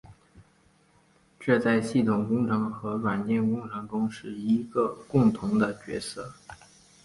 这在系统工程和软体工程中是一个共同的角色。